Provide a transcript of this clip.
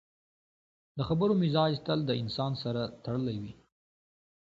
د خبرو مزاج تل د انسان سره تړلی وي